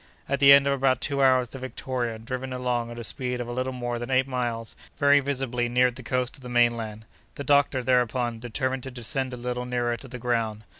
At the end of about two hours the Victoria, driven along at a speed of a little more than eight miles, very visibly neared the coast of the mainland. The doctor, thereupon, determined to descend a little nearer to the ground.